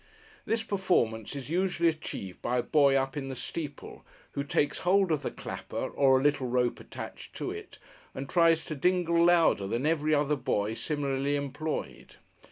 This performance is usually achieved by a boy up in the steeple, who takes hold of the clapper, or a little rope attached to it, and tries to dingle louder than every other boy similarly employed.